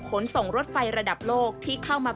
ขนส่งรถไฟระดับโลกที่เข้ามา